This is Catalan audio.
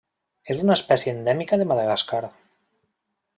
És una espècie endèmica de Madagascar.